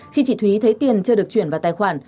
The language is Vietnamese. khi chị thúy thấy tiền chưa được chuyển vào tài khoản